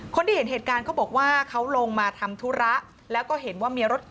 คนที่เห็นเหตุการณ์เขาบอกว่าเขาลงมาทำธุระแล้วก็เห็นว่ามีรถเก